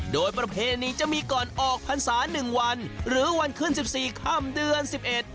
โดยประเภทนี้จะมีก่อนออกพันธ์ศาสตร์หนึ่งวันหรือวันขึ้นสิบสี่ข้ามเดือนสิบเอ็ด